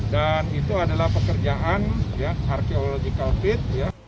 dan itu adalah pekerjaan archaeological fit